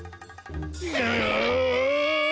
うん！